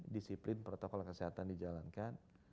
disiplin protokol kesehatan dijalankan